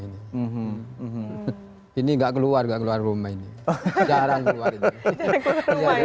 ini nggak keluar nggak keluar rumah ini jarang keluar ini